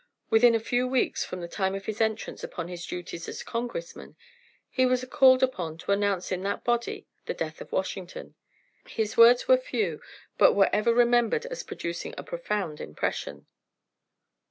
Within a few weeks from the time of his entrance upon his duties as Congressman, he was called upon to announce in that body the death of Washington. His words were few, but were ever remembered as producing a profound impression.